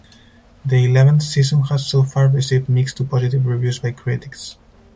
The eleventh season has so far received mixed to positive reviews by critics.